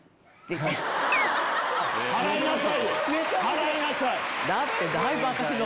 「払いなさい」。